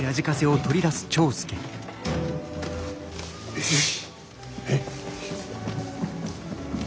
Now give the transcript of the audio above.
よし。